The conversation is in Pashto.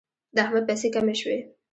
د احمد پیسې کمې شوې.